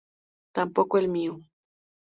Tampoco el mío".